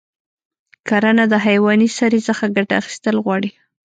کرنه د حیواني سرې څخه ګټه اخیستل غواړي.